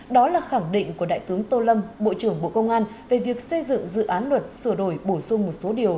đó là khẳng định của đại tướng tô lâm bộ trưởng bộ công an về việc xây dựng dự án luật sửa đổi bổ sung một số điều